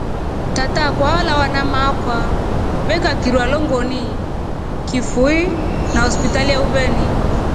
Tataa alawa na maakwa vekaaa kirwa longoni kifuii na hospital ya uveni.